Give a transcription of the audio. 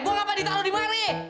gua ngapain ditolong di mari